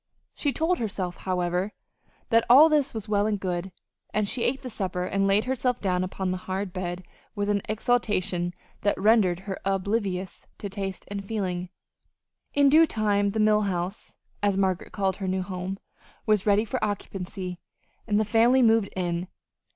She told herself, however, that all this was well and good; and she ate the supper and laid herself down upon the hard bed with an exaltation that rendered her oblivious to taste and feeling. In due time the Mill House, as Margaret called her new home, was ready for occupancy, and the family moved in.